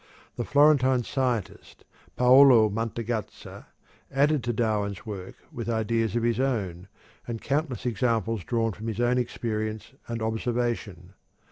The Florentine scientist, Paolo Mantegazza, added to Darwin's work with ideas of his own and countless examples drawn from his own experience and observation.